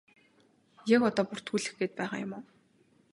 Яг одоо бүртгүүлэх гээд байгаа юм уу?